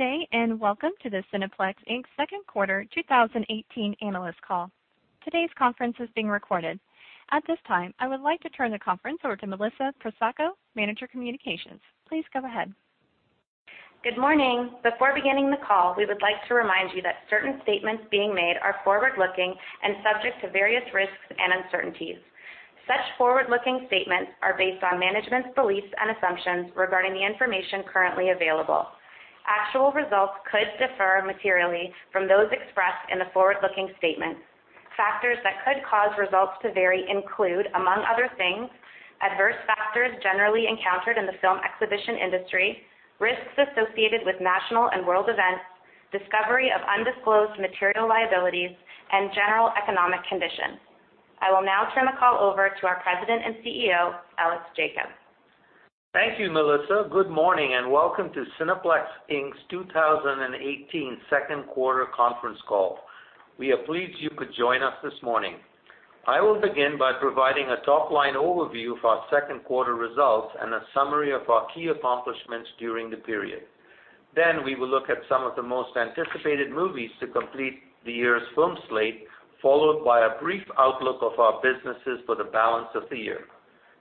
Good day, and welcome to the Cineplex Inc.'s second quarter 2018 analyst call. Today's conference is being recorded. At this time, I would like to turn the conference over to Pat Marshall, Manager Communications. Please go ahead. Good morning. Before beginning the call, we would like to remind you that certain statements being made are forward-looking and subject to various risks and uncertainties. Such forward-looking statements are based on management's beliefs and assumptions regarding the information currently available. Actual results could differ materially from those expressed in the forward-looking statements. Factors that could cause results to vary include, among other things, adverse factors generally encountered in the film exhibition industry, risks associated with national and world events, discovery of undisclosed material liabilities, and general economic conditions. I will now turn the call over to our President and CEO, Ellis Jacob. Thank you, Pat. Good morning, welcome to Cineplex Inc.'s 2018 second quarter conference call. We are pleased you could join us this morning. I will begin by providing a top-line overview of our second quarter results and a summary of our key accomplishments during the period. We will look at some of the most anticipated movies to complete the year's film slate, followed by a brief outlook of our businesses for the balance of the year.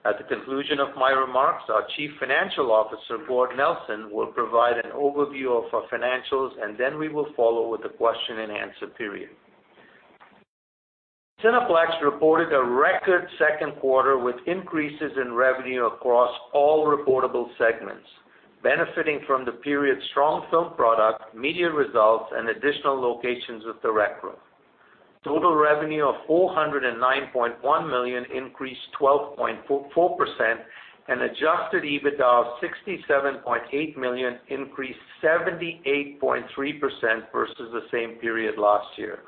At the conclusion of my remarks, our Chief Financial Officer, Gord Nelson, will provide an overview of our financials, we will follow with the question-and-answer period. Cineplex reported a record second quarter with increases in revenue across all reportable segments, benefiting from the period's strong film product, media results, and additional locations with direct growth. Total revenue of 409.1 million increased 12.4%. Adjusted EBITDA of 67.8 million increased 78.3% versus the same period last year.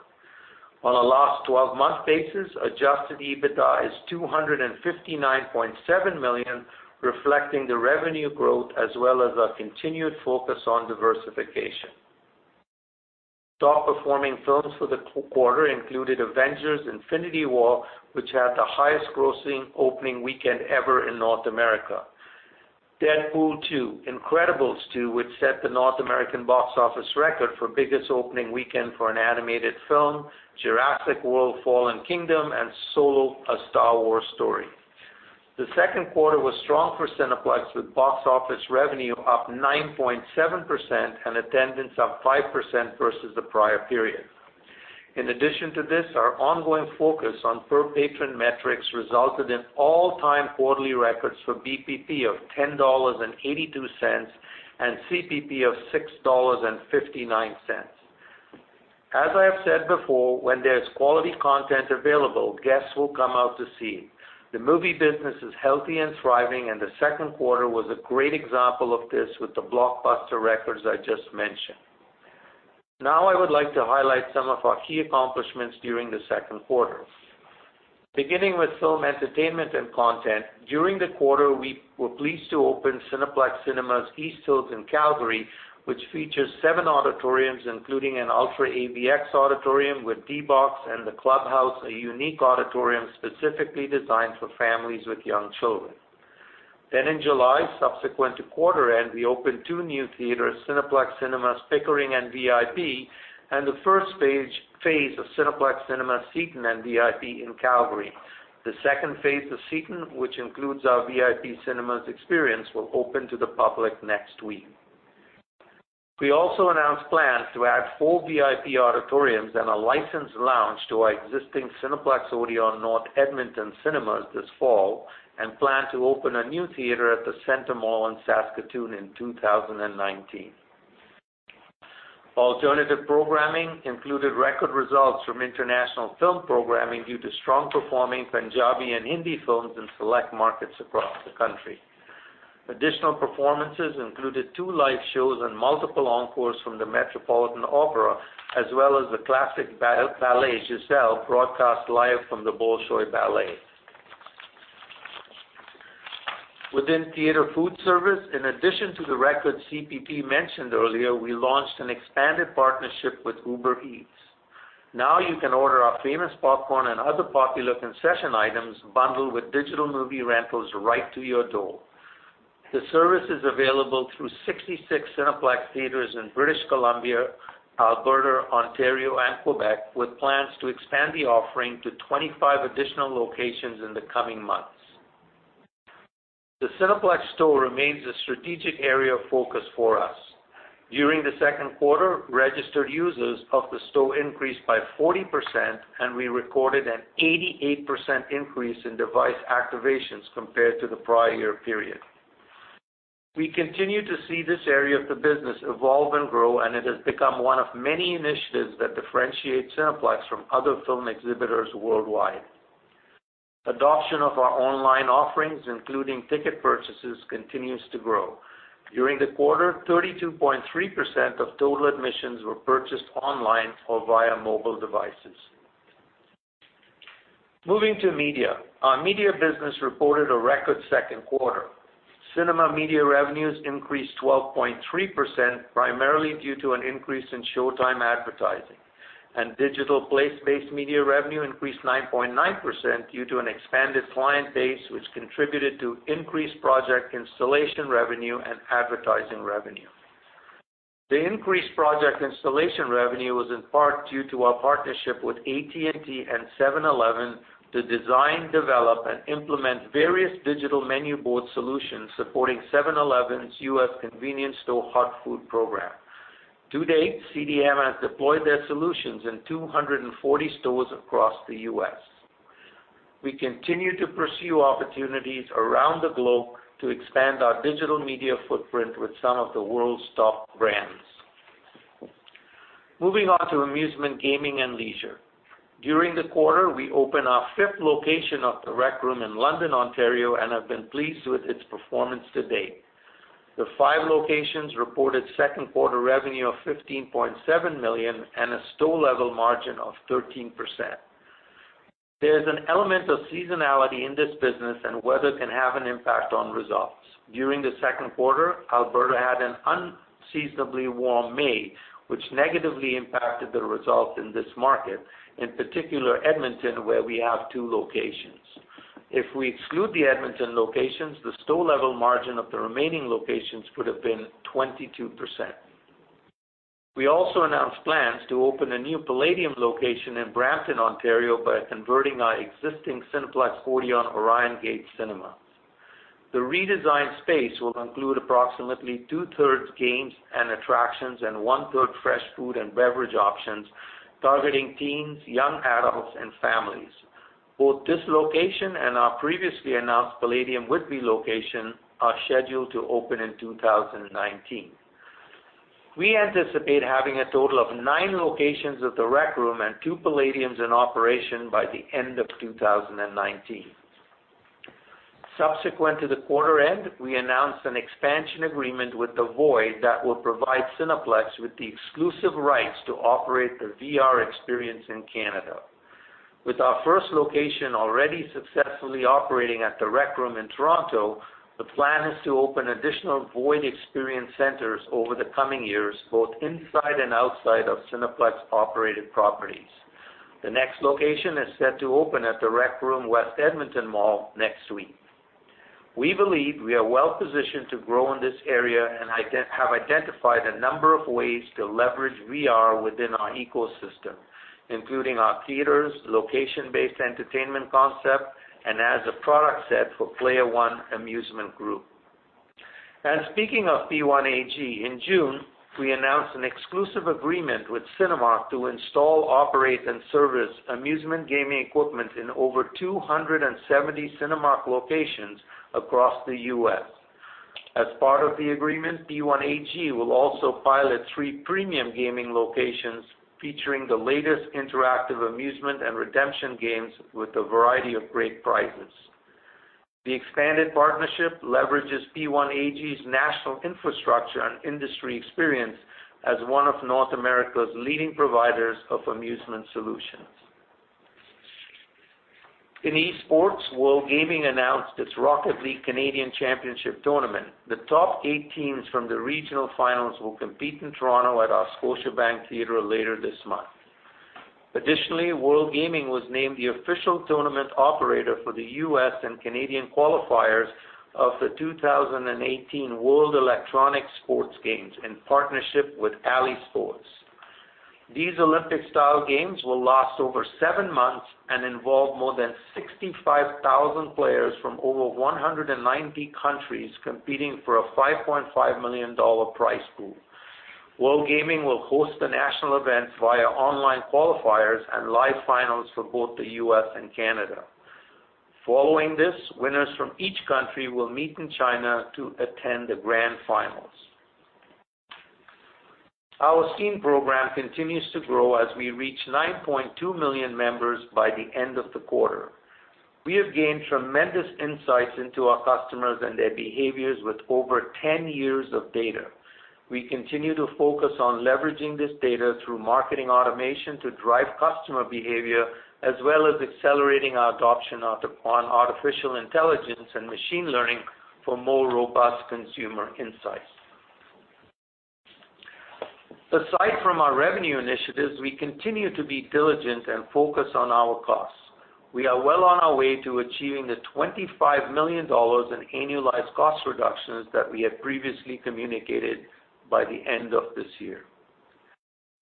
On a last 12-month basis, adjusted EBITDA is 259.7 million, reflecting the revenue growth as well as our continued focus on diversification. Top-performing films for the quarter included Avengers: Infinity War, which had the highest grossing opening weekend ever in North America; Deadpool 2; Incredibles 2, which set the North American box office record for biggest opening weekend for an animated film; Jurassic World: Fallen Kingdom; Solo: A Star Wars Story. The second quarter was strong for Cineplex, with box office revenue up 9.7% and attendance up 5% versus the prior period. In addition to this, our ongoing focus on per-patron metrics resulted in all-time quarterly records for BPP of 10.82 dollars and CPP of 6.59 dollars. As I have said before, when there's quality content available, guests will come out to see. The movie business is healthy and thriving, and the second quarter was a great example of this with the blockbuster records I just mentioned. I would like to highlight some of our key accomplishments during the second quarter. Beginning with film entertainment and content, during the quarter, we were pleased to open Cineplex Cinemas East Hills in Calgary, which features seven auditoriums, including an UltraAVX auditorium with D-BOX and the Clubhouse, a unique auditorium specifically designed for families with young children. In July, subsequent to quarter end, we opened two new theaters, Cineplex Cinemas Pickering and VIP, and the first phase of Cineplex Cinema Seton and VIP in Calgary. The second phase of Seton, which includes our VIP Cinemas experience, will open to the public next week. We also announced plans to add four VIP auditoriums and a licensed lounge to our existing Cineplex Odeon North Edmonton Cinemas this fall, and plan to open a new theater at The Centre Mall in Saskatoon in 2019. Alternative programming included record results from international film programming due to strong-performing Punjabi and Hindi films in select markets across the country. Additional performances included two live shows and multiple encores from the Metropolitan Opera, as well as the classic ballet, Giselle, broadcast live from the Bolshoi Ballet. Within theater food service, in addition to the record CPP mentioned earlier, we launched an expanded partnership with Uber Eats. You can order our famous popcorn and other popular concession items bundled with digital movie rentals right to your door. The service is available through 66 Cineplex theaters in British Columbia, Alberta, Ontario, and Quebec, with plans to expand the offering to 25 additional locations in the coming months. The Cineplex Store remains a strategic area of focus for us. During the second quarter, registered users of the store increased by 40%, and we recorded an 88% increase in device activations compared to the prior year period. We continue to see this area of the business evolve and grow, and it has become one of many initiatives that differentiate Cineplex from other film exhibitors worldwide. Adoption of our online offerings, including ticket purchases, continues to grow. During the quarter, 32.3% of total admissions were purchased online or via mobile devices. Moving to media. Our media business reported a record second quarter. Cinema media revenues increased 12.3%, primarily due to an increase in showtime advertising. Digital place-based media revenue increased 9.9% due to an expanded client base, which contributed to increased project installation revenue and advertising revenue. The increased project installation revenue was in part due to our partnership with AT&T and 7-Eleven to design, develop, and implement various digital menu board solutions supporting 7-Eleven's U.S. convenience store hot food program. To date, CDM has deployed their solutions in 240 stores across the U.S. We continue to pursue opportunities around the globe to expand our digital media footprint with some of the world's top brands. Moving on to amusement, gaming, and leisure. During the quarter, we opened our fifth location of The Rec Room in London, Ontario, and have been pleased with its performance to date. The five locations reported second-quarter revenue of 15.7 million and a store-level margin of 13%. There's an element of seasonality in this business. Weather can have an impact on results. During the second quarter, Alberta had an unseasonably warm May, which negatively impacted the results in this market, in particular Edmonton, where we have two locations. If we exclude the Edmonton locations, the store-level margin of the remaining locations would have been 22%. We also announced plans to open a new Playdium location in Brampton, Ontario by converting our existing Cineplex Odeon Orion Gate Cinema. The redesigned space will include approximately two-thirds games and attractions and one-third fresh food and beverage options targeting teens, young adults, and families. Both this location and our previously announced Playdium Whitby location are scheduled to open in 2019. We anticipate having a total of nine locations of The Rec Room and two Playdiums in operation by the end of 2019. Subsequent to the quarter end, we announced an expansion agreement with The VOID that will provide Cineplex with the exclusive rights to operate the VR experience in Canada. With our first location already successfully operating at The Rec Room in Toronto, the plan is to open additional VOID experience centers over the coming years, both inside and outside of Cineplex-operated properties. The next location is set to open at The Rec Room West Edmonton Mall next week. Speaking of P1AG, in June, we announced an exclusive agreement with Cinemark to install, operate, and service amusement gaming equipment in over 270 Cinemark locations across the U.S. As part of the agreement, P1AG will also pilot three premium gaming locations featuring the latest interactive amusement and redemption games with a variety of great prizes. The expanded partnership leverages P1AG's national infrastructure and industry experience as one of North America's leading providers of amusement solutions. In esports, WorldGaming announced its Rocket League Canadian Championship tournament. The top eight teams from the regional finals will compete in Toronto at our Scotiabank Theatre later this month. Additionally, WorldGaming was named the official tournament operator for the U.S. and Canadian qualifiers of the 2018 World Electronic Sports Games in partnership with Alisports. These Olympic-style games will last over seven months and involve more than 65,000 players from over 190 countries competing for a 5.5 million dollar prize pool. WorldGaming will host the national events via online qualifiers and live finals for both the U.S. and Canada. Following this, winners from each country will meet in China to attend the grand finals. Our Scene program continues to grow as we reach 9.2 million members by the end of the quarter. We have gained tremendous insights into our customers and their behaviors with over 10 years of data. We continue to focus on leveraging this data through marketing automation to drive customer behavior, as well as accelerating our adoption on artificial intelligence and machine learning for more robust consumer insights. Aside from our revenue initiatives, we continue to be diligent and focused on our costs. We are well on our way to achieving the 25 million dollars in annualized cost reductions that we had previously communicated by the end of this year.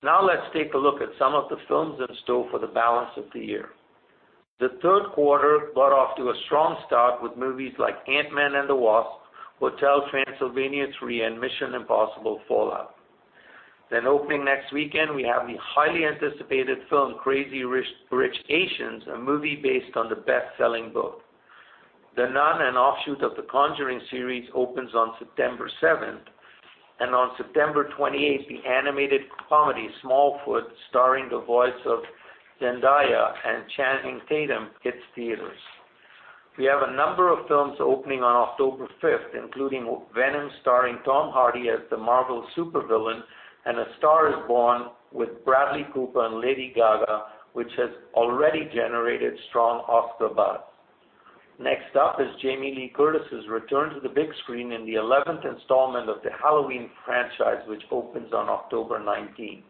Let's take a look at some of the films in store for the balance of the year. The third quarter got off to a strong start with movies like Ant-Man and the Wasp, Hotel Transylvania 3, and Mission: Impossible – Fallout. Opening next weekend, we have the highly anticipated film Crazy Rich Asians, a movie based on the best-selling book. The Nun, an offshoot of The Conjuring series, opens on September 7th, and on September 28th, the animated comedy Smallfoot, starring the voice of Zendaya and Channing Tatum, hits theaters. We have a number of films opening on October 5th, including Venom, starring Tom Hardy as the Marvel supervillain, and A Star Is Born with Bradley Cooper and Lady Gaga, which has already generated strong Oscar buzz. Next up is Jamie Lee Curtis's return to the big screen in the 11th installment of the Halloween franchise, which opens on October 19th.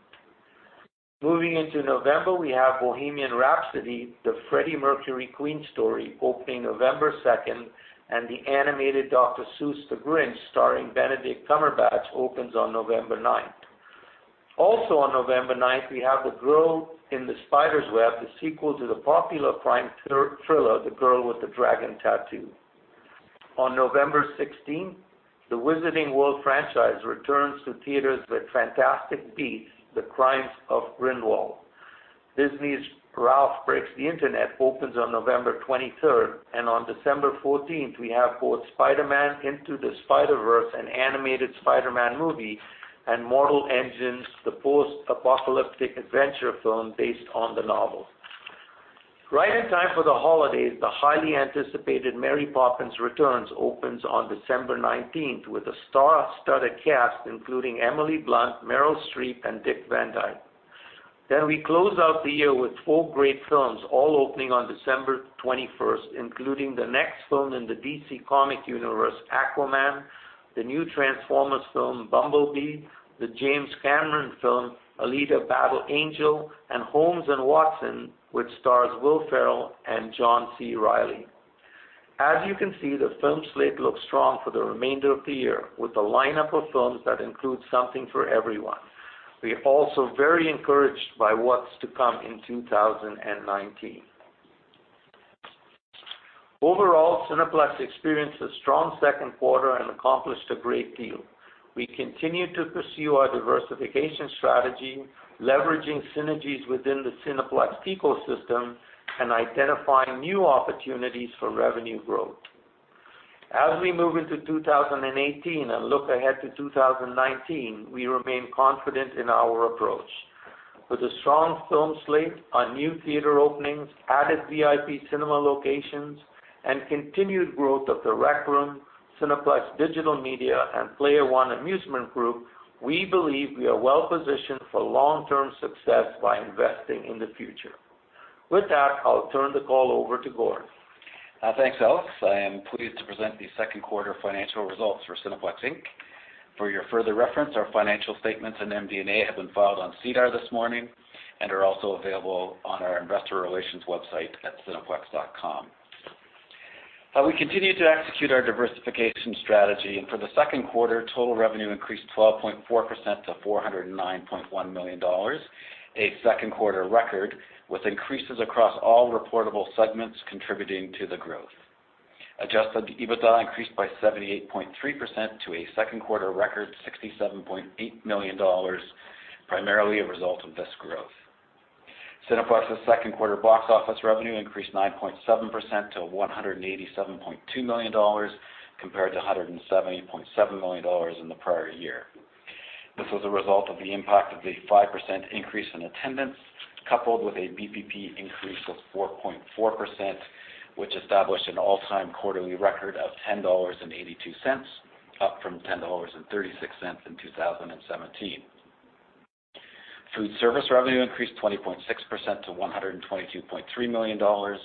Moving into November, we have Bohemian Rhapsody, the Freddie Mercury Queen story, opening November 2nd, and the animated Dr. Seuss The Grinch starring Benedict Cumberbatch, opens on November 9th. Also on November 9th, we have The Girl in the Spider's Web, the sequel to the popular crime thriller, The Girl with the Dragon Tattoo. On November 16th, the Wizarding World franchise returns to theaters with Fantastic Beasts: The Crimes of Grindelwald. Disney's Ralph Breaks the Internet opens on November 23rd, and on December 14th, we have both Spider-Man: Into the Spider-Verse, an animated Spider-Man movie, and Mortal Engines, the post-apocalyptic adventure film based on the novel. Right in time for the holidays, the highly anticipated Mary Poppins Returns opens on December 19th with a star-studded cast, including Emily Blunt, Meryl Streep, and Dick Van Dyke. We close out the year with four great films, all opening on December 21st, including the next film in the DC Extended Universe, Aquaman, the new Transformers film, Bumblebee, the James Cameron film, Alita: Battle Angel, and Holmes & Watson, which stars Will Ferrell and John C. Reilly. As you can see, the film slate looks strong for the remainder of the year, with a lineup of films that includes something for everyone. We are also very encouraged by what is to come in 2019. Overall, Cineplex experienced a strong second quarter and accomplished a great deal. We continue to pursue our diversification strategy, leveraging synergies within the Cineplex ecosystem and identifying new opportunities for revenue growth. As we move into 2018 and look ahead to 2019, we remain confident in our approach. With a strong film slate on new theater openings, added VIP cinema locations, and continued growth of The Rec Room, Cineplex Digital Media, and Player One Amusement Group, we believe we are well-positioned for long-term success by investing in the future. With that, I will turn the call over to Gord. Thanks, Ellis. I am pleased to present the second quarter financial results for Cineplex Inc. For your further reference, our financial statements and MD&A have been filed on SEDAR this morning and are also available on our investor relations website at cineplex.com. We continue to execute our diversification strategy. For the second quarter, total revenue increased 12.4% to 409.1 million dollars, a second-quarter record with increases across all reportable segments contributing to the growth. Adjusted EBITDA increased by 78.3% to a second-quarter record 67.8 million dollars, primarily a result of this growth. Cineplex's second-quarter box office revenue increased 9.7% to 187.2 million dollars, compared to 170.7 million dollars in the prior year. This was a result of the impact of a 5% increase in attendance, coupled with a BPP increase of 4.4%, which established an all-time quarterly record of 10.82 dollars, up from 10.36 dollars in 2017. Food service revenue increased 20.6% to 122.3 million dollars.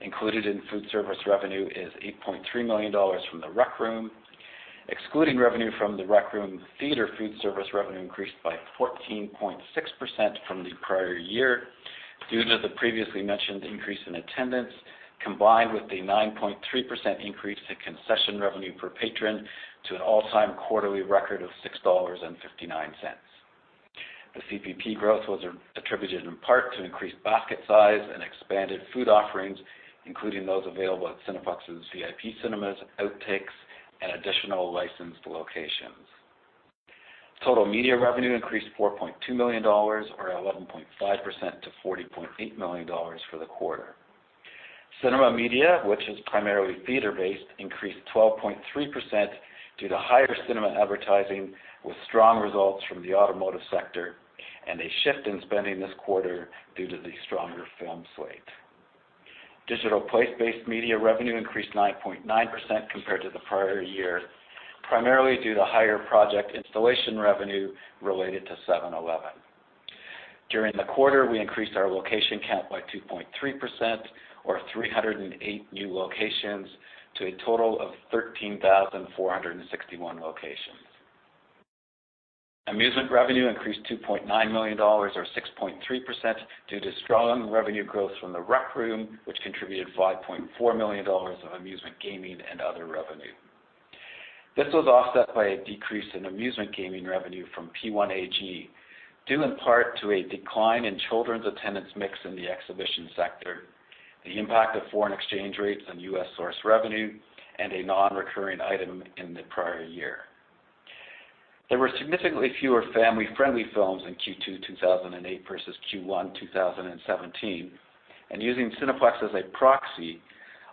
Included in food service revenue is 8.3 million dollars from The Rec Room. Excluding revenue from The Rec Room, theater food service revenue increased by 14.6% from the prior year due to the previously mentioned increase in attendance, combined with a 9.3% increase to concession revenue per patron to an all-time quarterly record of 6.59 dollars. The CPP growth was attributed in part to increased basket size and expanded food offerings, including those available at Cineplex's VIP cinemas, Outtakes, and additional licensed locations. Total media revenue increased 4.2 million dollars, or 11.5%, to 40.8 million dollars for the quarter. Cinema media, which is primarily theater-based, increased 12.3% due to higher cinema advertising, with strong results from the automotive sector and a shift in spending this quarter due to the stronger film slate. Digital place-based media revenue increased 9.9% compared to the prior year, primarily due to higher project installation revenue related to 7-Eleven. During the quarter, we increased our location count by 2.3%, or 308 new locations, to a total of 13,461 locations. Amusement revenue increased 2.9 million dollars or 6.3% due to strong revenue growth from The Rec Room, which contributed 5.4 million dollars of amusement gaming and other revenue. This was offset by a decrease in amusement gaming revenue from P1AG due in part to a decline in children's attendance mix in the exhibition sector, the impact of foreign exchange rates on U.S. source revenue, and a non-recurring item in the prior year. There were significantly fewer family-friendly films in Q2 2008 versus Q1 2017, and using Cineplex as a proxy,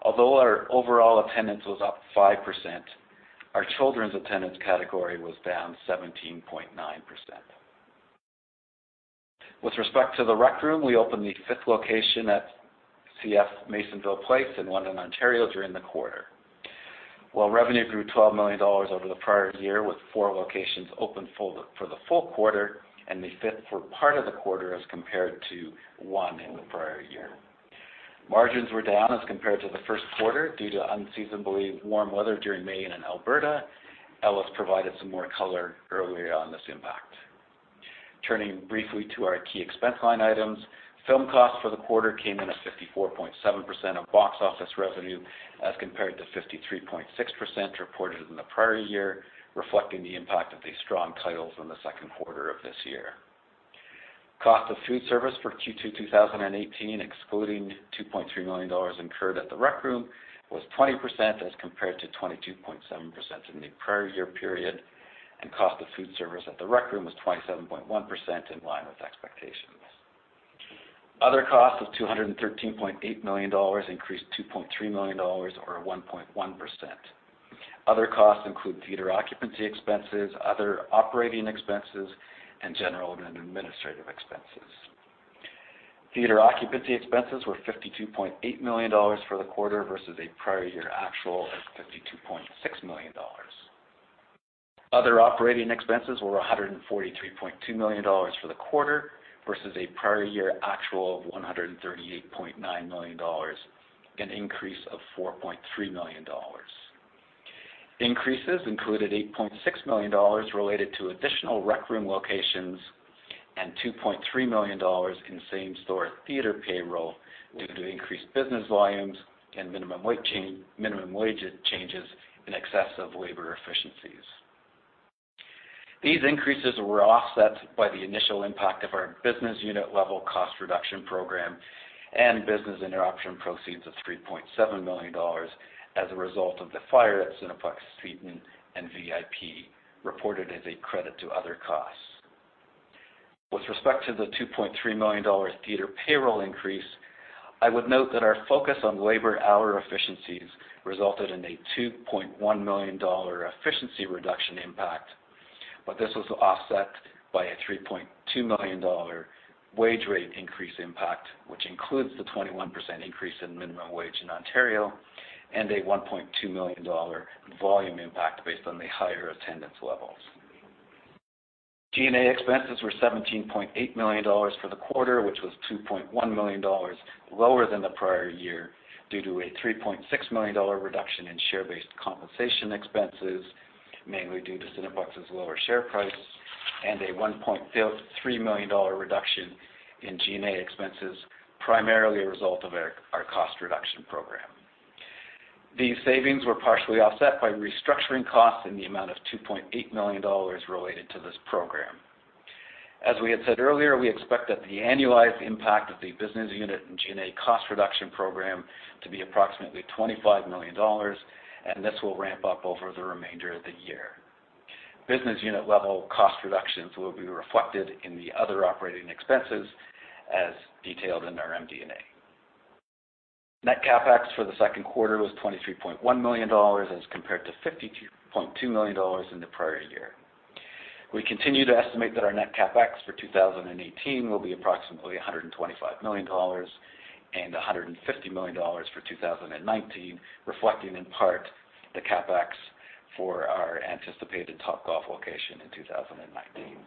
although our overall attendance was up 5%, our children's attendance category was down 17.9%. With respect to The Rec Room, we opened the fifth location at CF Masonville Place in London, Ontario during the quarter. Revenue grew 12 million dollars over the prior year, with four locations open for the full quarter and the fifth for part of the quarter, as compared to one in the prior year. Margins were down as compared to the first quarter due to unseasonably warm weather during May in Alberta. Ellis provided some more color earlier on this impact. Turning briefly to our key expense line items. Film cost for the quarter came in at 54.7% of box office revenue, as compared to 53.6% reported in the prior year, reflecting the impact of the strong titles in the second quarter of this year. Cost of food service for Q2 2018, excluding CAD 2.3 million incurred at The Rec Room, was 20% as compared to 22.7% in the prior year period, and cost of food service at The Rec Room was 27.1%, in line with expectations. Other costs of 213.8 million dollars increased 2.3 million dollars, or 1.1%. Other costs include theater occupancy expenses, other operating expenses, and general and administrative expenses. Theater occupancy expenses were 52.8 million dollars for the quarter versus a prior year actual of 52.6 million dollars. Other operating expenses were 143.2 million dollars for the quarter versus a prior year actual of 138.9 million dollars, an increase of 4.3 million dollars. Increases included 8.6 million dollars related to additional Rec Room locations and 2.3 million dollars in same-store theater payroll due to increased business volumes and minimum wage changes in excess of labor efficiencies. These increases were offset by the initial impact of our business unit-level cost reduction program and business interruption proceeds of 3.7 million dollars as a result of the fire at Cineplex Cinemas Empress Walk, reported as a credit to other costs. With respect to the 2.3 million dollar theater payroll increase, I would note that our focus on labor hour efficiencies resulted in a 2.1 million dollar efficiency reduction impact. This was offset by a 3.2 million dollar wage rate increase impact, which includes the 21% increase in minimum wage in Ontario and a 1.2 million dollar volume impact based on the higher attendance levels. G&A expenses were 17.8 million dollars for the quarter, which was 2.1 million dollars lower than the prior year, due to a 3.6 million dollar reduction in share-based compensation expenses, mainly due to Cineplex's lower share price and a 1.3 million dollar reduction in G&A expenses, primarily a result of our cost reduction program. These savings were partially offset by restructuring costs in the amount of 2.8 million dollars related to this program. As we had said earlier, we expect that the annualized impact of the business unit and G&A cost reduction program to be approximately 25 million dollars. This will ramp up over the remainder of the year. Business unit-level cost reductions will be reflected in the other operating expenses as detailed in our MD&A. Net CapEx for the second quarter was 23.1 million dollars as compared to 52.2 million dollars in the prior year. We continue to estimate that our net CapEx for 2018 will be approximately 125 million dollars and 150 million dollars for 2019, reflecting in part the CapEx for our anticipated Topgolf location in 2019.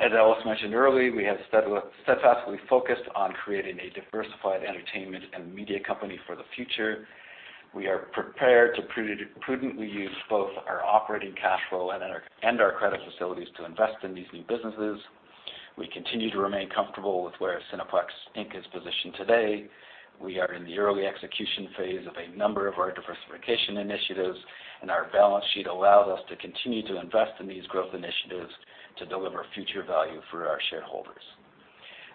As Ellis mentioned earlier, we have steadfastly focused on creating a diversified entertainment and media company for the future. We are prepared to prudently use both our operating cash flow and our credit facilities to invest in these new businesses. We continue to remain comfortable with where Cineplex Inc. is positioned today. We are in the early execution phase of a number of our diversification initiatives. Our balance sheet allows us to continue to invest in these growth initiatives to deliver future value for our shareholders.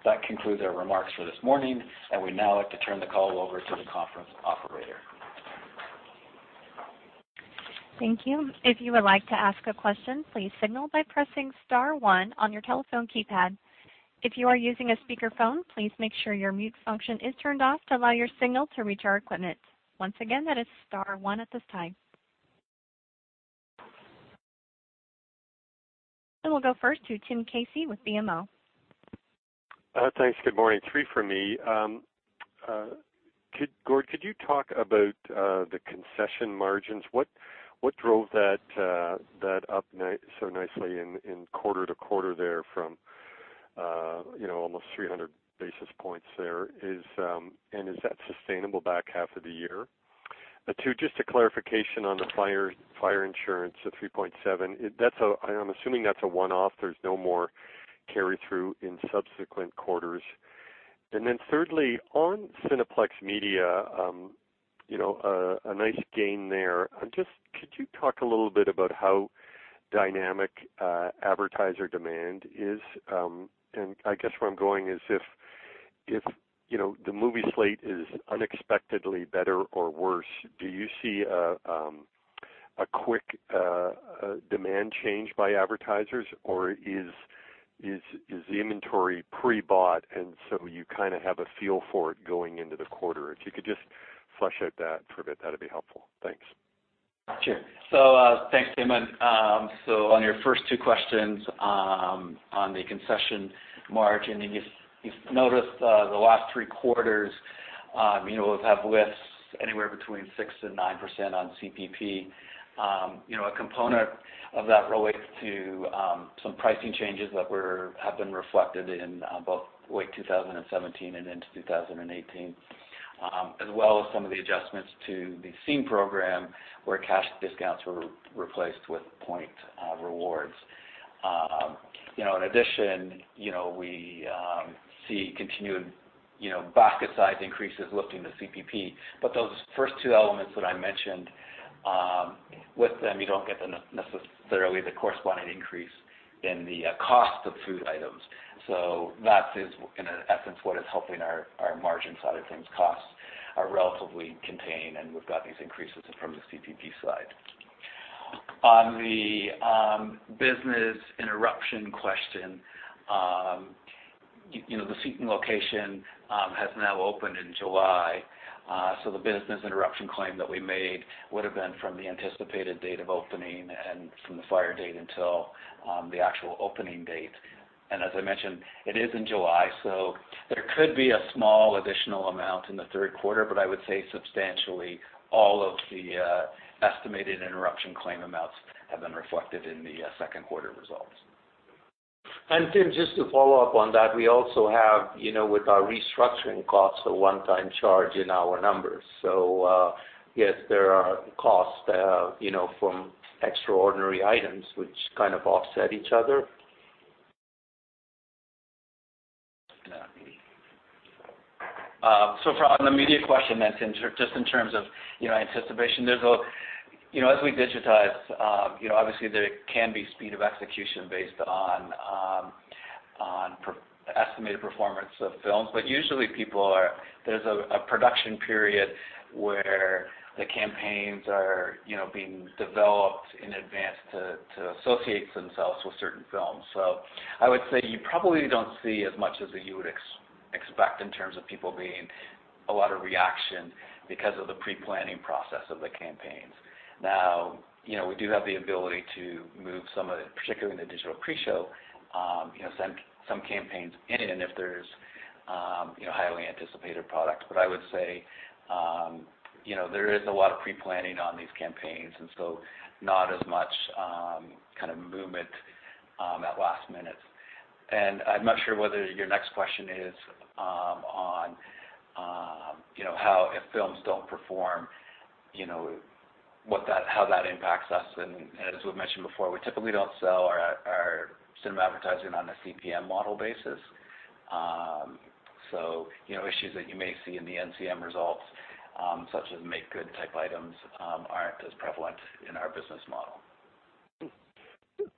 That concludes our remarks for this morning. We'd now like to turn the call over to the conference operator. Thank you. If you would like to ask a question, please signal by pressing star one on your telephone keypad. If you are using a speakerphone, please make sure your mute function is turned off to allow your signal to reach our equipment. Once again, that is star one at this time. We'll go first to Tim Casey with BMO. Thanks. Good morning. Three from me. Gord, could you talk about the concession margins? What drove that up so nicely in quarter-to-quarter there from almost 300 basis points there is, and is that sustainable back half of the year? Two, just a clarification on the fire insurance of 3.7. I'm assuming that's a one-off, there's no more carry-through in subsequent quarters. Thirdly, on Cineplex Media, a nice gain there. Could you talk a little bit about how dynamic advertiser demand is? I guess where I'm going is if the movie slate is unexpectedly better or worse, do you see a quick demand change by advertisers, or is the inventory pre-bought and so you kind of have a feel for it going into the quarter? If you could just flesh out that for a bit, that'd be helpful. Thanks. Sure. Thanks, Tim Casey. On your first two questions on the concession margin, you've noticed the last three quarters, we've have lifts anywhere between 6%-9% on CPP. A component of that relates to some pricing changes that have been reflected in both late 2017 and into 2018, as well as some of the adjustments to the Scene program where cash discounts were replaced with point rewards. In addition, we see continued basket size increases lifting the CPP. Those first two elements that I mentioned, with them, you don't get necessarily the corresponding increase in the cost of food items. That is, in essence, what is helping our margin side of things. Costs are relatively contained, and we've got these increases from the CPP side. On the business interruption question, the Scene location has now opened in July. The business interruption claim that we made would've been from the anticipated date of opening and from the fire date until the actual opening date. As I mentioned, it is in July, there could be a small additional amount in the third quarter, but I would say substantially all of the estimated interruption claim amounts have been reflected in the second quarter results. Tim, just to follow up on that, we also have, with our restructuring costs, a one-time charge in our numbers. Yes, there are costs from extraordinary items which kind of offset each other. For on the media question then, Tim, just in terms of anticipation. As we digitize, obviously there can be speed of execution based on estimated performance of films, but usually there's a production period where the campaigns are being developed in advance to associate themselves with certain films. I would say you probably don't see as much as you would expect in terms of people being a lot of reaction because of the pre-planning process of the campaigns. We do have the ability to move some of it, particularly in the digital pre-show, send some campaigns in if there's highly anticipated product. I would say there is a lot of pre-planning on these campaigns, and not as much kind of movement at last minute. I'm not sure whether your next question is on how if films don't perform, how that impacts us, and as we've mentioned before, we typically don't sell our cinema advertising on a CPM model basis. Issues that you may see in the NCM results, such as make good type items, aren't as prevalent in our business model.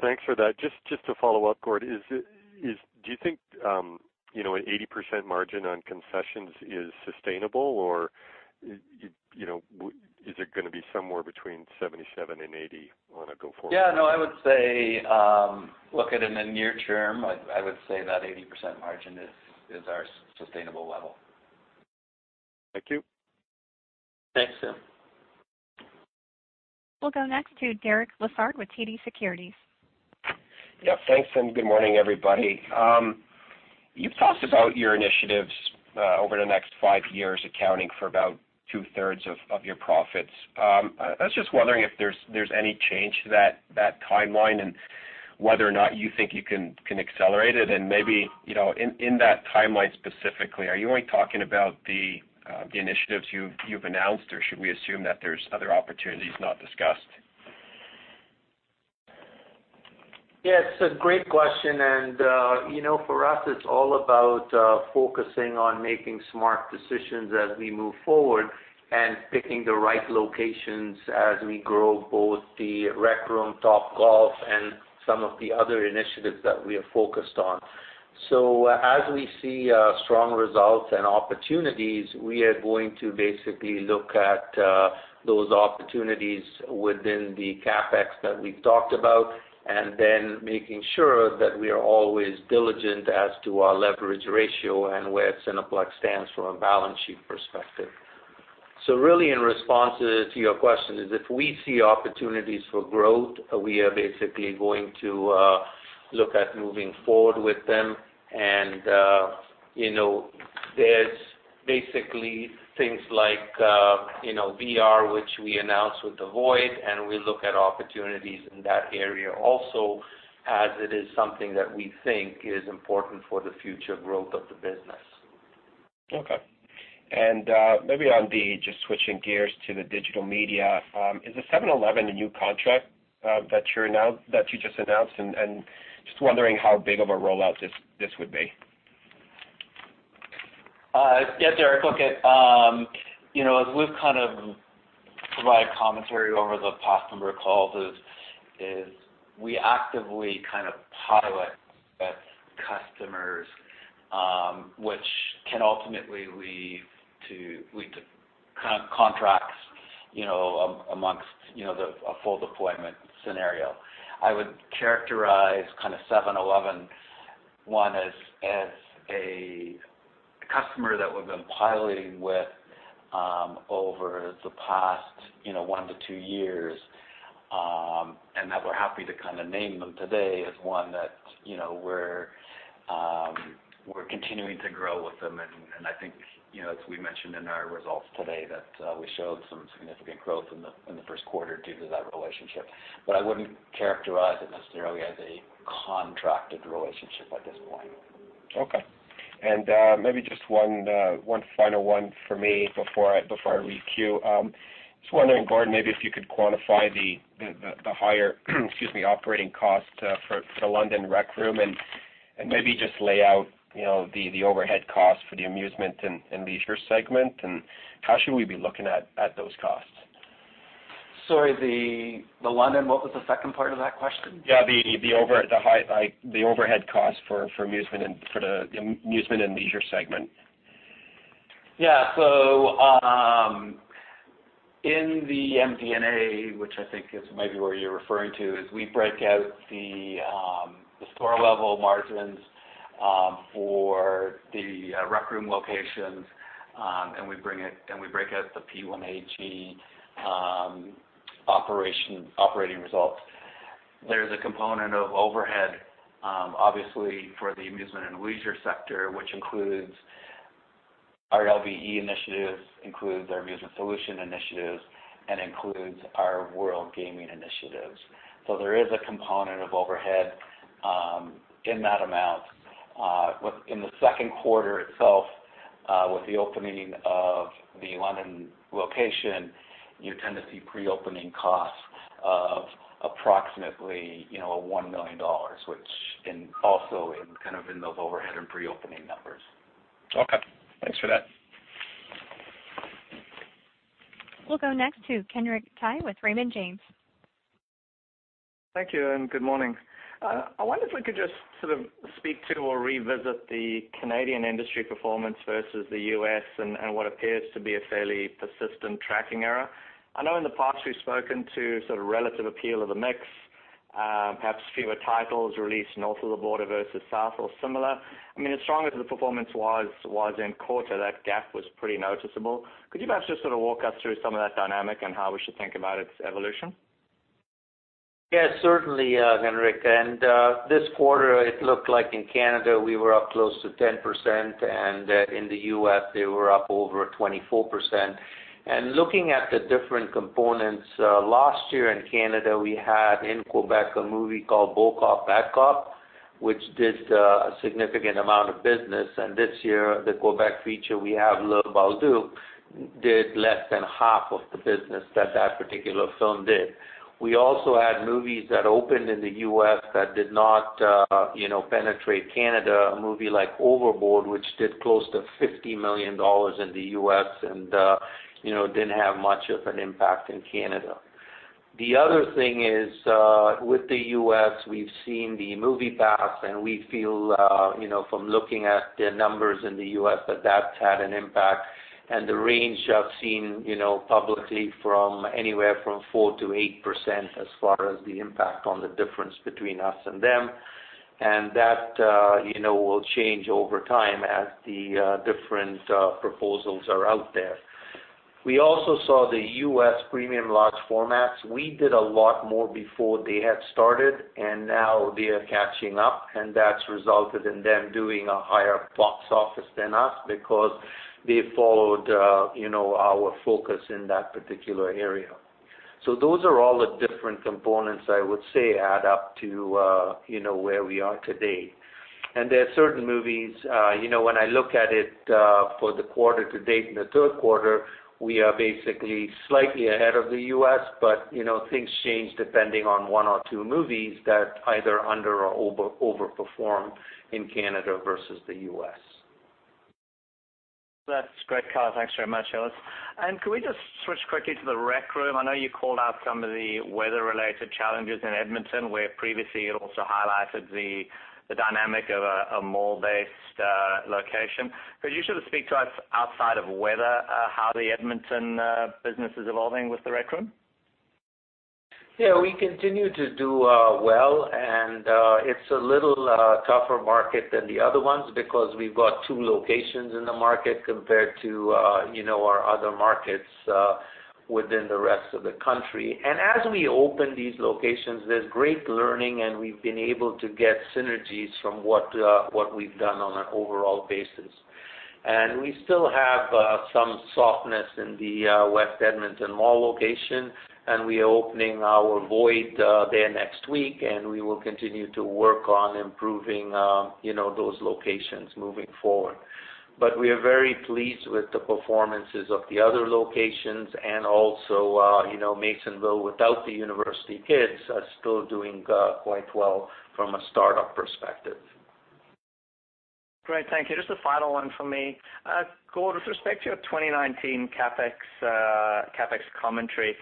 Thanks for that. Just to follow up, Gord, do you think an 80% margin on concessions is sustainable, or is it going to be somewhere between 77% and 80% on a go-forward? Yeah, no, I would say, looking in the near term, I would say that 80% margin is our sustainable level. Thank you. Thanks, Tim. We'll go next to Derek Lessard with TD Securities. Thanks, and good morning, everybody. You've talked about your initiatives over the next five years, accounting for about two-thirds of your profits. I was just wondering if there's any change to that timeline, whether or not you think you can accelerate it, maybe, in that timeline specifically, are you only talking about the initiatives you've announced, or should we assume that there's other opportunities not discussed? It's a great question. For us, it's all about focusing on making smart decisions as we move forward and picking the right locations as we grow both The Rec Room, Topgolf, and some of the other initiatives that we are focused on. As we see strong results and opportunities, we are going to basically look at those opportunities within the CapEx that we've talked about, making sure that we are always diligent as to our leverage ratio and where Cineplex stands from a balance sheet perspective. Really in response to your question is if we see opportunities for growth, we are basically going to look at moving forward with them. There's basically things like VR, which we announced with The VOID. We look at opportunities in that area also as it is something that we think is important for the future growth of the business. Okay. Maybe just switching gears to the digital media, is the 7-Eleven a new contract that you just announced? Just wondering how big of a rollout this would be. Yes, Derek. Look, as we've provided commentary over the past number of calls is we actively pilot with customers, which can ultimately lead to contracts amongst a full deployment scenario. I would characterize 7-Eleven one as a That we're happy to name them today as one that we're continuing to grow with them. I think, as we mentioned in our results today, that we showed some significant growth in the first quarter due to that relationship. I wouldn't characterize it necessarily as a contracted relationship at this point. Okay. Maybe just one final one for me before I re-queue. Just wondering, Gord, maybe if you could quantify the higher excuse me, operating cost for London Rec Room and maybe just lay out the overhead cost for the amusement and leisure segment, how should we be looking at those costs? Sorry, the London, what was the second part of that question? Yeah. The overhead cost for the amusement and leisure segment. Yeah. In the MD&A, which I think is maybe where you're referring to, is we break out the store-level margins for The Rec Room locations. We break out the P1AG operating results. There's a component of overhead, obviously, for the amusement and leisure sector, which includes our LBE initiatives, includes our amusement solution initiatives, and includes our WorldGaming initiatives. There is a component of overhead in that amount. In the second quarter itself, with the opening of the London location, you tend to see pre-opening costs of approximately 1 million dollars, which also in those overhead and pre-opening numbers. Okay. Thanks for that. We'll go next to Kenric Tyghe with Raymond James. Thank you, good morning. I wonder if we could just sort of speak to or revisit the Canadian industry performance versus the U.S. and what appears to be a fairly persistent tracking error. I know in the past you've spoken to sort of relative appeal of the mix, perhaps fewer titles released north of the border versus south or similar. As strong as the performance was in quarter, that gap was pretty noticeable. Could you perhaps just sort of walk us through some of that dynamic and how we should think about its evolution? Yes, certainly, Henrik. This quarter it looked like in Canada we were up close to 10%, and in the U.S. they were up over 24%. Looking at the different components, last year in Canada, we had in Quebec a movie called "Bon Cop, Bad Cop" which did a significant amount of business. This year, the Quebec feature we have, "La Bolduc," did less than half of the business that that particular film did. We also had movies that opened in the U.S. that did not penetrate Canada. A movie like "Overboard" which did close to $50 million in the U.S. and didn't have much of an impact in Canada. The other thing is with the U.S., we've seen the MoviePass, and we feel from looking at the numbers in the U.S., that that's had an impact. The range I've seen publicly from anywhere from 4% to 8% as far as the impact on the difference between us and them. That will change over time as the different proposals are out there. We also saw the U.S. premium large formats. We did a lot more before they had started, and now they are catching up. That's resulted in them doing a higher box office than us because they followed our focus in that particular area. Those are all the different components I would say add up to where we are today. There are certain movies, when I look at it for the quarter to date in the third quarter, we are basically slightly ahead of the U.S. Things change depending on one or two movies that either under or over-perform in Canada versus the U.S. That's great color. Thanks very much, Ellis. Could we just switch quickly to The Rec Room? I know you called out some of the weather-related challenges in Edmonton, where previously you'd also highlighted the dynamic of a mall-based location. Could you sort of speak to us outside of weather how the Edmonton business is evolving with The Rec Room? We continue to do well, and it's a little tougher market than the other ones because we've got two locations in the market compared to our other markets within the rest of the country. As we open these locations, there's great learning, and we've been able to get synergies from what we've done on an overall basis. We still have some softness in the West Edmonton Mall location, and we are opening our The VOID there next week, and we will continue to work on improving those locations moving forward. We are very pleased with the performances of the other locations and also, Masonville without the university kids are still doing quite well from a startup perspective. Great. Thank you. Just a final one from me. Gord, with respect to your 2019 CapEx commentary,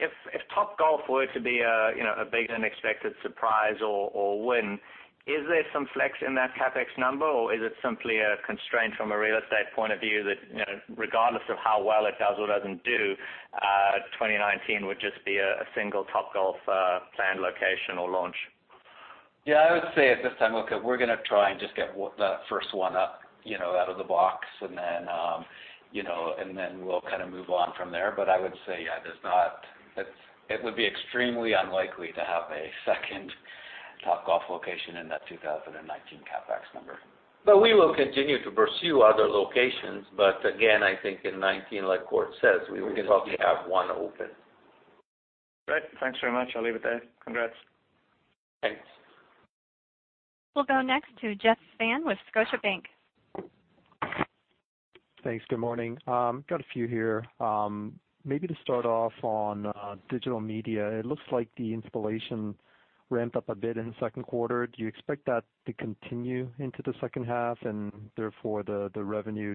if Topgolf were to be a big unexpected surprise or win, is there some flex in that CapEx number, or is it simply a constraint from a real estate point of view that regardless of how well it does or doesn't do 2019 would just be a single Topgolf planned location or launch? I would say at this time, look, we're going to try and just get that first one up out of the box and then we'll move on from there. I would say, yeah, it would be extremely unlikely to have a second Topgolf location in that 2019 CapEx number. We will continue to pursue other locations. Again, I think in 2019, like Gord says, we will probably have one open. Great. Thanks very much. I'll leave it there. Congrats. Thanks. We'll go next to Jeff Fan with Scotiabank. Thanks. Good morning. Got a few here. Maybe to start off on digital media, it looks like the installation ramped up a bit in the second quarter. Do you expect that to continue into the second half and therefore the revenue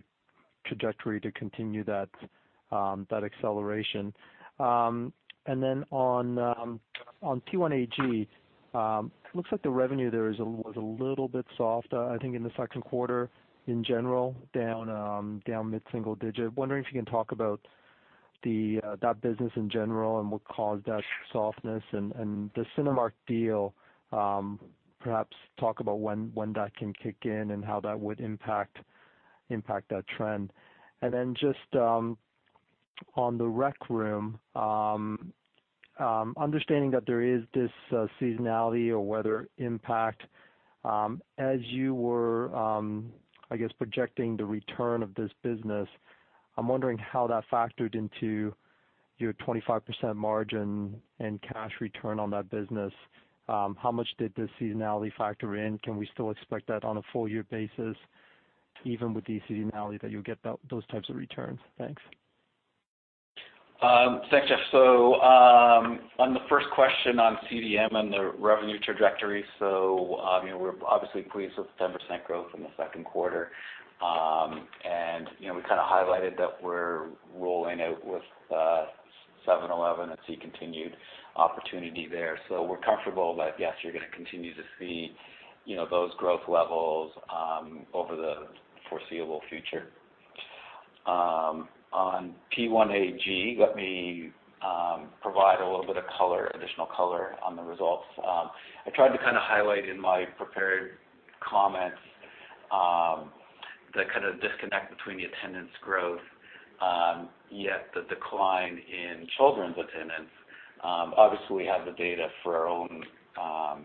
trajectory to continue that acceleration? On P1AG, it looks like the revenue there was a little bit soft, I think, in the second quarter in general, down mid-single digit. Wondering if you can talk about that business in general and what caused that softness and the Cinemark deal, perhaps talk about when that can kick in and how that would impact that trend. Just on The Rec Room, understanding that there is this seasonality or weather impact, as you were, I guess, projecting the return of this business, I'm wondering how that factored into your 25% margin and cash return on that business. How much did the seasonality factor in? Can we still expect that on a full-year basis, even with the seasonality, that you'll get those types of returns? Thanks. Thanks, Jeff. On the first question on CDM and the revenue trajectory, we're obviously pleased with the 10% growth in the second quarter. We highlighted that we're rolling out with 7-Eleven and see continued opportunity there. We're comfortable that yes, you're going to continue to see those growth levels over the foreseeable future. On P1AG, let me provide a little bit of additional color on the results. I tried to highlight in my prepared comments the disconnect between the attendance growth, yet the decline in children's attendance. Obviously, we have the data for our own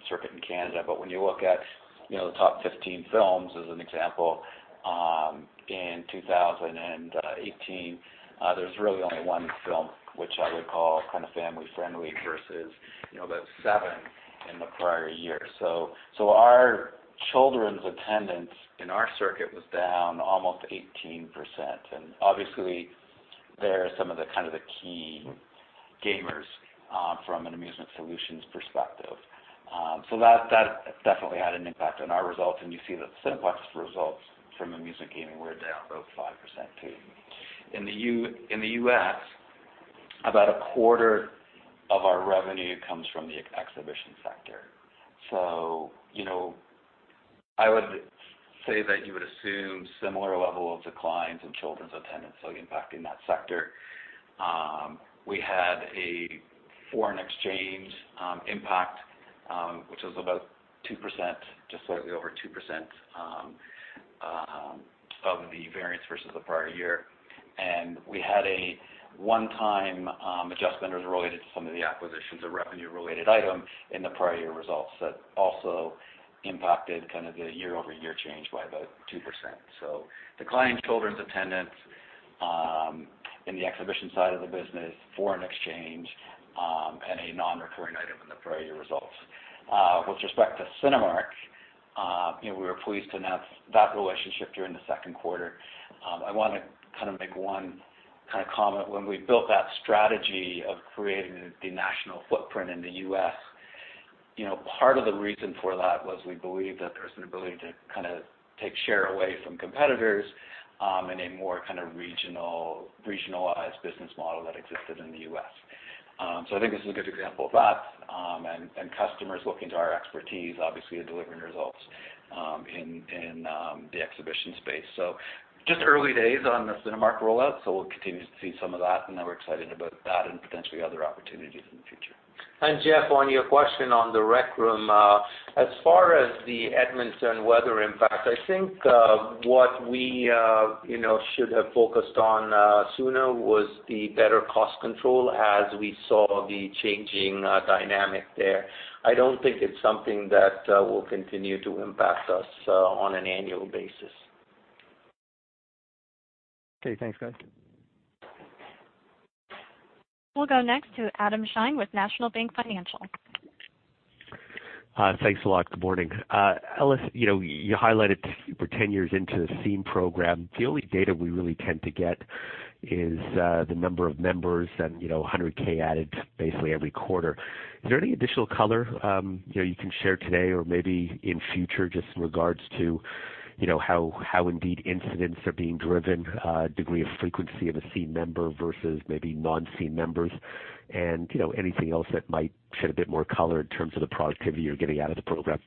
circuit in Canada, but when you look at the top 15 films as an example, in 2018, there's really only one film which I would call family-friendly versus about seven in the prior year. Our children's attendance in our circuit was down almost 18%. Obviously, they're some of the key gamers from an amusement solutions perspective. That definitely had an impact on our results, and you see that Cineplex's results from amusement gaming were down about 5% too. In the U.S., about a quarter of our revenue comes from the exhibition sector. I would say that you would assume similar level of declines in children's attendance, so the impact in that sector. We had a foreign exchange impact, which was about 2%, just slightly over 2% of the variance versus the prior year. We had a one-time adjustment as related to some of the acquisitions, a revenue-related item in the prior year results that also impacted the year-over-year change by about 2%. Decline in children's attendance in the exhibition side of the business, foreign exchange, and a non-recurring item in the prior year results. With respect to Cinemark, we were pleased to announce that relationship during the second quarter. I want to make one comment. When we built that strategy of creating the national footprint in the U.S., part of the reason for that was we believe that there's an ability to take share away from competitors in a more regionalized business model that existed in the U.S. I think this is a good example of that, and customers looking to our expertise, obviously, delivering results in the exhibition space. Just early days on the Cinemark rollout, so we'll continue to see some of that, and then we're excited about that and potentially other opportunities in the future. Jeff, on your question on The Rec Room, as far as the Edmonton weather impact, I think what we should have focused on sooner was the better cost control as we saw the changing dynamic there. I don't think it's something that will continue to impact us on an annual basis. Okay, thanks guys. We'll go next to Adam Shine with National Bank Financial. Thanks a lot. Good morning. Ellis, you highlighted we're 10 years into the Scene program. The only data we really tend to get is the number of members and 100K added basically every quarter. Is there any additional color you can share today or maybe in future just in regards to how indeed incentives are being driven, degree of frequency of a Scene member versus maybe non-Scene members, and anything else that might shed a bit more color in terms of the productivity you're getting out of the program?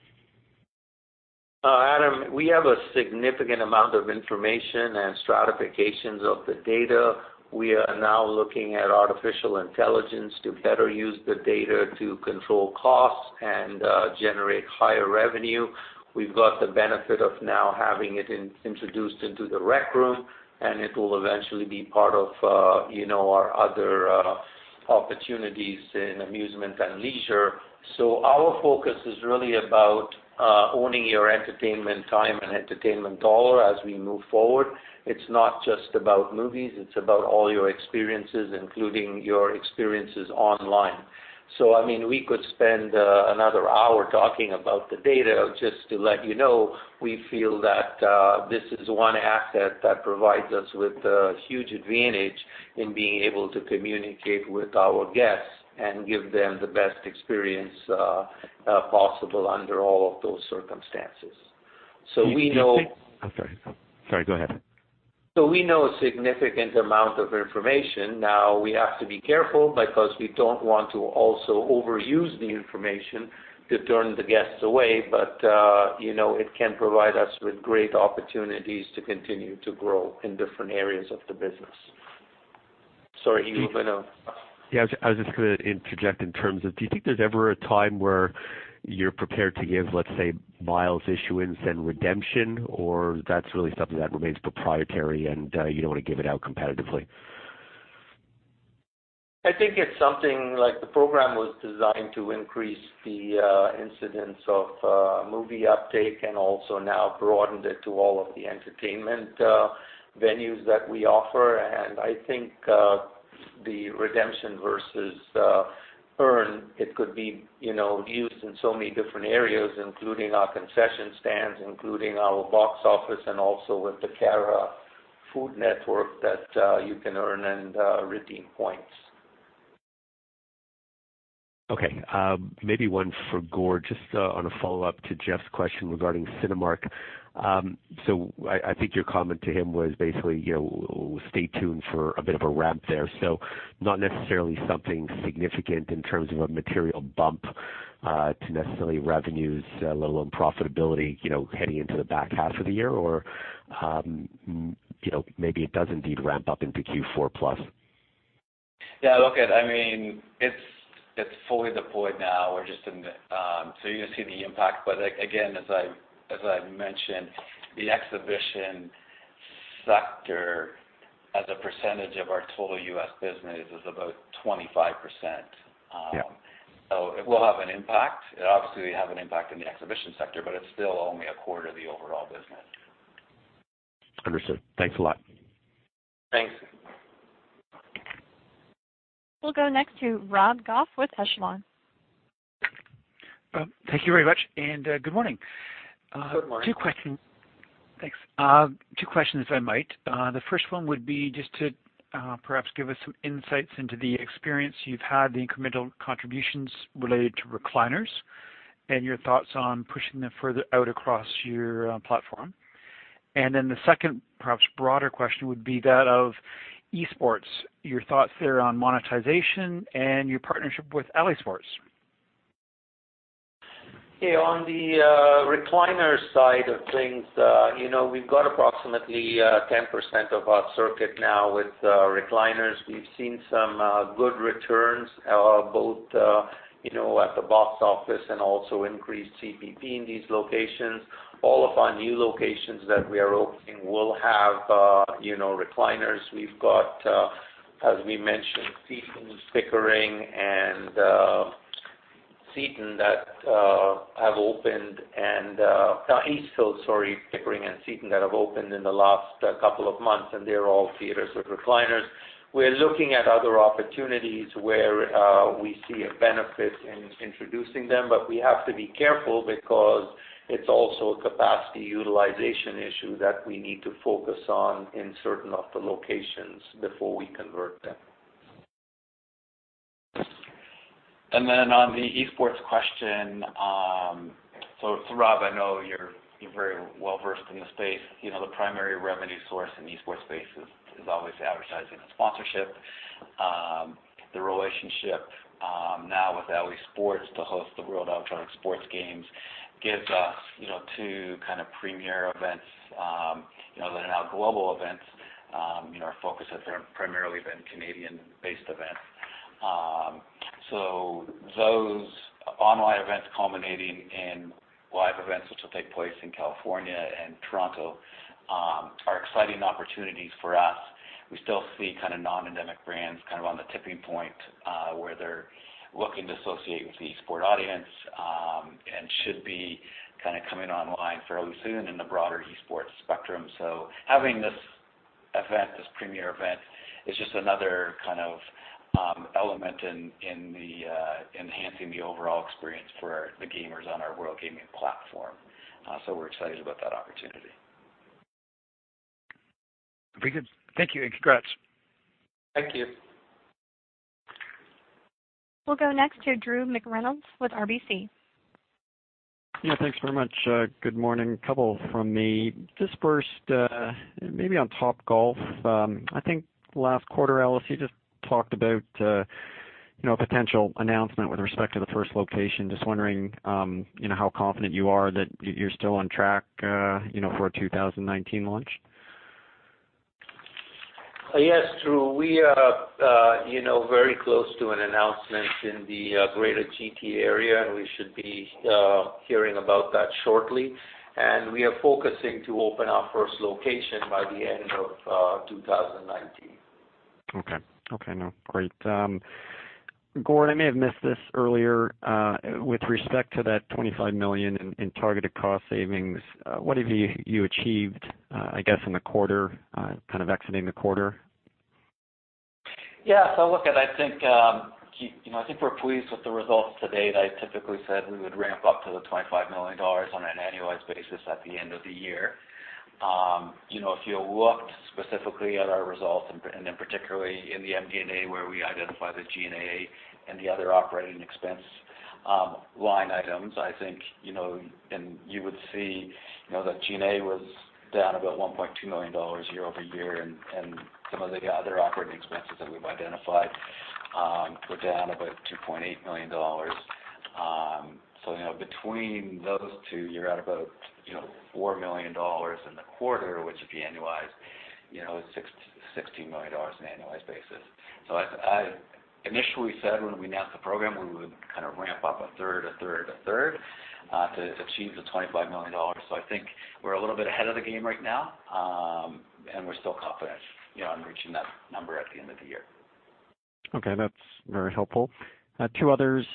Adam, we have a significant amount of information and stratifications of the data. We are now looking at artificial intelligence to better use the data to control costs and generate higher revenue. We've got the benefit of now having it introduced into The Rec Room, and it will eventually be part of our other opportunities in amusement and leisure. Our focus is really about owning your entertainment time and entertainment dollar as we move forward. It's not just about movies, it's about all your experiences, including your experiences online. We could spend another hour talking about the data just to let you know, we feel that this is one asset that provides us with a huge advantage in being able to communicate with our guests and give them the best experience possible under all of those circumstances. I'm sorry. Go ahead. We know a significant amount of information. We have to be careful because we don't want to also overuse the information to turn the guests away. It can provide us with great opportunities to continue to grow in different areas of the business. Sorry, you were going to- I was just going to interject in terms of, do you think there's ever a time where you're prepared to give, let's say, miles issuance and redemption, or that's really something that remains proprietary, and you don't want to give it out competitively? I think it's something like the program was designed to increase the incidence of movie uptake and also now broadened it to all of the entertainment venues that we offer. I think the redemption versus earn, it could be used in so many different areas, including our concession stands, including our box office, and also with the Cara food network that you can earn and redeem points. Okay. Maybe one for Gord, just on a follow-up to Jeff's question regarding Cinemark. I think your comment to him was basically, stay tuned for a bit of a ramp there. Not necessarily something significant in terms of a material bump to necessarily revenues, let alone profitability, heading into the back half of the year, or maybe it does indeed ramp up into Q4 plus. Yeah, look, it's fully deployed now. You're going to see the impact, but again, as I mentioned, the exhibition sector as a percentage of our total U.S. business is about 25%. Yeah. It will have an impact. Obviously, it will have an impact in the exhibition sector, but it's still only a quarter of the overall business. Understood. Thanks a lot. Thanks. We'll go next to Rob Goff with Echelon. Thank you very much, good morning. Good morning. Two questions. Thanks. Two questions, if I might. The first one would be just to perhaps give us some insights into the experience you've had, the incremental contributions related to recliners, and your thoughts on pushing them further out across your platform. The second, perhaps broader question would be that of esports, your thoughts there on monetization and your partnership with Alisports. On the recliner side of things, we've got approximately 10% of our circuit now with recliners. We've seen some good returns, both at the box office and also increased CPP in these locations. All of our new locations that we are opening will have recliners. We've got, as we mentioned, Seton, Pickering, and East Hills that have opened. Pickering and Seton that have opened in the last couple of months, and they're all theaters with recliners. We're looking at other opportunities where we see a benefit in introducing them, but we have to be careful because it's also a capacity utilization issue that we need to focus on in certain of the locations before we convert them. On the esports question, Rob, I know you're very well-versed in the space. The primary revenue source in the esports space is always advertising and sponsorship. The relationship now with Alisports to host the World Electronic Sports Games gives us two premier events that are now global events. Our focus has primarily been Canadian-based events. Those online events culminating in live events, which will take place in California and Toronto, are exciting opportunities for us. We still see non-endemic brands on the tipping point, where they're looking to associate with the esports audience, and should be coming online fairly soon in the broader esports spectrum. Having this event, this premier event, is just another element in enhancing the overall experience for the gamers on our WorldGaming platform. We're excited about that opportunity. Very good. Thank you, and congrats. Thank you. We'll go next to Drew McReynolds with RBC. Yeah, thanks very much. Good morning. A couple from me. Just first, maybe on Topgolf. I think last quarter, Ellis, you just talked about potential announcement with respect to the first location. Just wondering, how confident you are that you're still on track for a 2019 launch? Yes, Drew, we are very close to an announcement in the greater GTA area. We should be hearing about that shortly. We are focusing to open our first location by the end of 2019. Okay. Now, great. Gord, I may have missed this earlier. With respect to that 25 million in targeted cost savings, what have you achieved, I guess, in the quarter, kind of exiting the quarter? Yeah. Look, I think we're pleased with the results to date. I typically said we would ramp up to the 25 million dollars on an annualized basis at the end of the year. If you looked specifically at our results, then particularly in the MD&A, where we identify the G&A and the other operating expense line items, I think, and you would see that G&A was down about 1.2 million dollars year-over-year, and some of the other operating expenses that we've identified were down about 2.8 million dollars. Between those two, you're at about 4 million dollars in the quarter, which if you annualize, is 16 million dollars in annualized basis. I initially said when we announced the program, we would kind of ramp up a third, a third, a third to achieve the 25 million dollars. I think we're a little bit ahead of the game right now, and we're still confident on reaching that number at the end of the year. Okay, that's very helpful. Two others.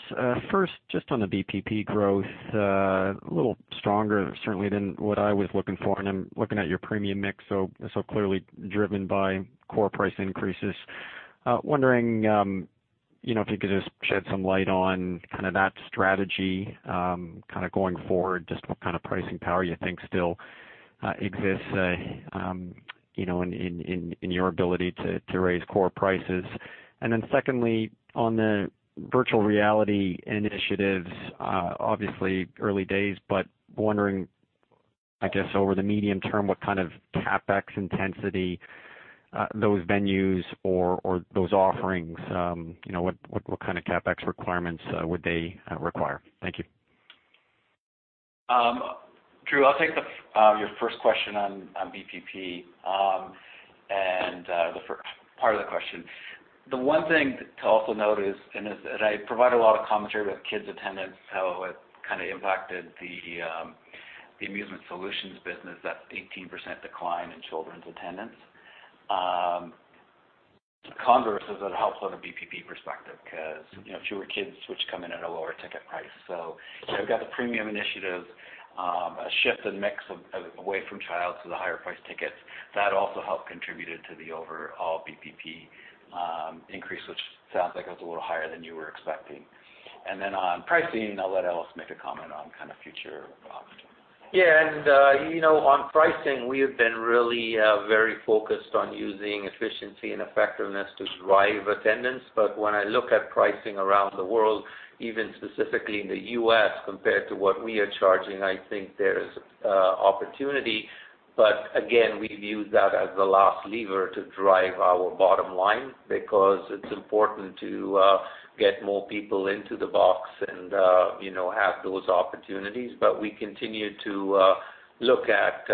First, just on the BPP growth, a little stronger certainly than what I was looking for, and I'm looking at your premium mix, so clearly driven by core price increases. Wondering if you could just shed some light on kind of that strategy going forward, just what kind of pricing power you think still exists in your ability to raise core prices. Then secondly, on the virtual reality initiatives, obviously early days, but wondering, I guess, over the medium term, what kind of CapEx intensity those venues or those offerings, what kind of CapEx requirements would they require? Thank you. Drew, I'll take your first question on BPP and the part of the question. The one thing to also note is, as I provide a lot of commentary about kids' attendance, how it kind of impacted the amusement solutions business, that 18% decline in children's attendance. Converse is that it helps on a BPP perspective because fewer kids which come in at a lower ticket price. You've got the premium initiatives, a shift in mix away from child to the higher-priced tickets. That also helped contributed to the overall BPP increase, which sounds like it was a little higher than you were expecting. Then on pricing, I'll let Ellis make a comment on kind of future prospects. Yeah. On pricing, we have been really very focused on using efficiency and effectiveness to drive attendance. When I look at pricing around the world, even specifically in the U.S. compared to what we are charging, I think there's opportunity. Again, we view that as the last lever to drive our bottom line because it's important to get more people into the box and have those opportunities. We continue to look at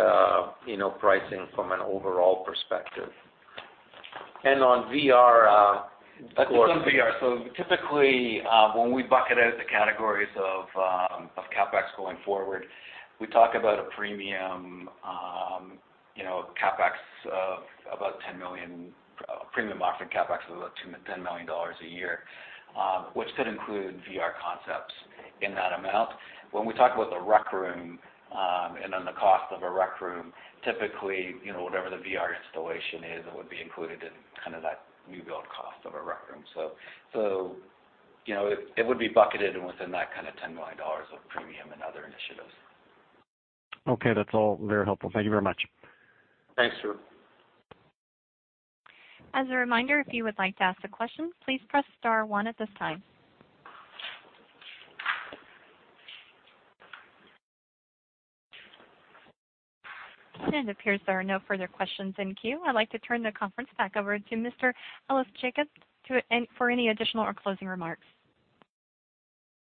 pricing from an overall perspective. On VR, typically, when we bucket out the categories of CapEx going forward, we talk about a premium offering CapEx of about 10 million dollars a year, which could include VR concepts in that amount. When we talk about The Rec Room, the cost of a The Rec Room, typically, whatever the VR installation is, it would be included in kind of that new build cost of a The Rec Room. It would be bucketed within that kind of 10 million dollars of premium and other initiatives. Okay, that's all very helpful. Thank you very much. Thanks, Drew. As a reminder, if you would like to ask a question, please press star one at this time. It appears there are no further questions in queue. I'd like to turn the conference back over to Mr. Ellis Jacob for any additional or closing remarks.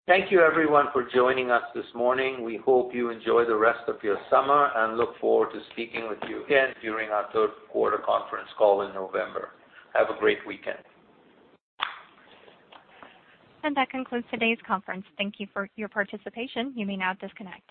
Thank you, everyone, for joining us this morning. We hope you enjoy the rest of your summer and look forward to speaking with you again during our third quarter conference call in November. Have a great weekend. That concludes today's conference. Thank you for your participation. You may now disconnect.